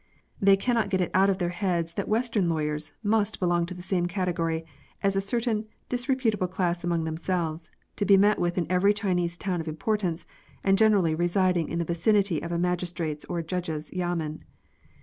They cannot get it out of their heads that western lawyers must belong to the same category as a certain dis reputable class among themselves, to be met with in every Chinese town of importance, and generally re siding in the vicinity of a magistrate's or judge's yamen.